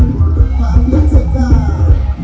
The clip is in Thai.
เวลาที่สุดท้าย